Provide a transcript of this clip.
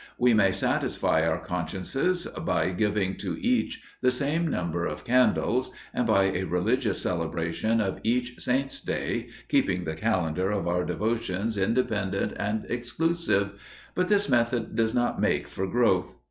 We may satisfy our consciences by giving to each the same number of candles, and by a religious celebration of each Saint's day, keeping the calendar of our devotions independent and exclusive, but this method does not make for growth.